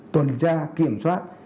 tuần tra kiểm soát